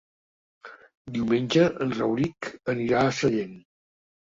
Diumenge en Rauric anirà a Sallent.